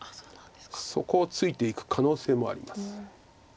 そこをついていく可能性もあります。